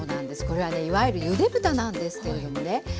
これはねいわゆるゆで豚なんですけれどもね